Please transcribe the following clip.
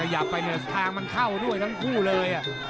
อยากไปเนี่ยทางมันเข้าด้วยทั้งคู่เลย